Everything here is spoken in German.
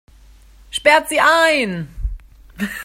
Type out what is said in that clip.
Sperrt sie ein!